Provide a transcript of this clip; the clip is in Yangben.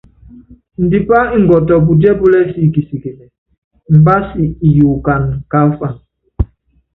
Ndipá ngɔtɔ putíɛ́púlɛ siki kisikilɛ, imbási iyukana káafan.